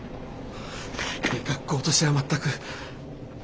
学校としては全く。